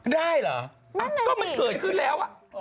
ได้เหรอนั่นน่ะสิก็มันเกิดขึ้นแล้ว